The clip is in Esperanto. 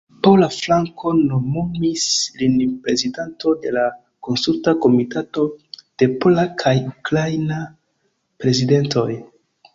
Pola flanko nomumis lin prezidanto de la Konsulta Komitato de Pola kaj Ukraina Prezidentoj.